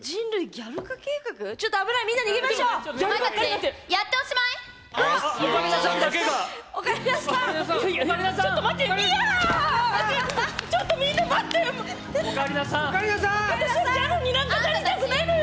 ギャルになんてなりたくないのよ。